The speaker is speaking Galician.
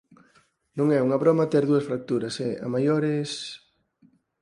Non é unha broma ter dúas fracturas e, a maiores…